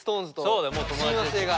そうだよもう友達です。